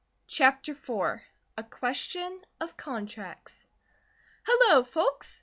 CHAPTER IV A QUESTION OF CONTRACTS "HELLO, Folks!"